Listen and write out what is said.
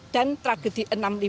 dan tragedi enam puluh lima